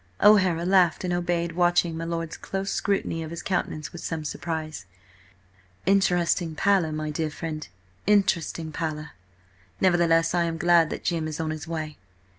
O'Hara laughed and obeyed, watching my lord's close scrutiny of his countenance with some surprise. "Interesting pallor, my dear friend, interesting pallor. Nevertheless, I am glad that Jim is on his way."